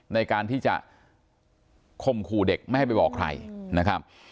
ในการที่จะคมขู่เด็กไม่ให้ไปบอกใครนะครับ